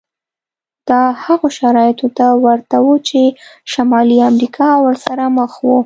دا هغو شرایطو ته ورته و چې شمالي امریکا ورسره مخ وه.